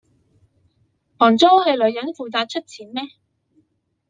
房租是女人負責出錢嗎？